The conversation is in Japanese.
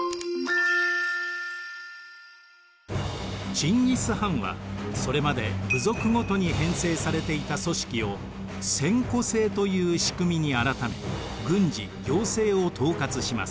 チンギス・ハンはそれまで部族ごとに編成されていた組織を千戸制という仕組みに改め軍事・行政を統括します。